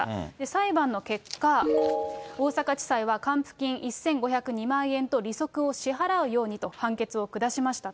裁判の結果、大阪地裁は還付金１５０２万円と利息を支払うようにと判決を下しました。